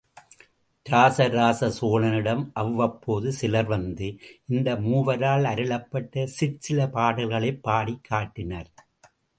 இராச ராச சோழனிடம், அவ்வப்போது சிலர் வந்து, இந்த மூவரால் அருளப்பட்ட சிற்சில பாடல்களைப் பாடிக் காட்டினர்.